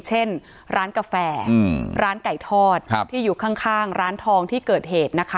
เช่นร้านกาแฟร้านไก่ทอดที่อยู่ข้างร้านทองที่เกิดเหตุนะคะ